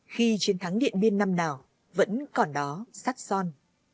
khi chiến thắng điện biên năm nào vẫn còn đó sát son